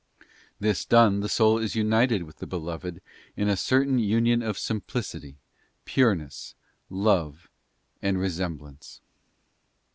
This done, the soul is united with the Beloved in a certain union of simplicity, pureness, love, and resemblance.